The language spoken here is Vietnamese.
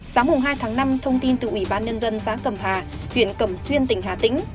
sáng hôm hai tháng năm thông tin từ ủy ban nhân dân xã cầm hà huyện cầm xuyên tỉnh hà tĩnh